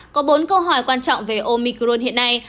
có bốn câu hỏi quan trọng về omicron hiện nay